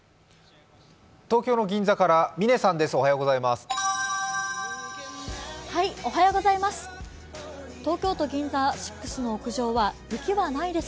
東京の銀座から嶺さんです。